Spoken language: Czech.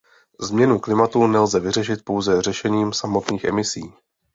Změnu klimatu nelze vyřešit pouze řešením samotných emisí.